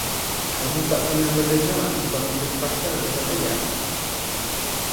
Kamu tak pernah mendengar akibat mencari pasal dengan ayah?